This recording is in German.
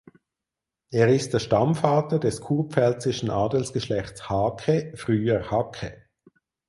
Er ist der Stammvater des kurpfälzischen Adelsgeschlechts Haacke (früher Hacke).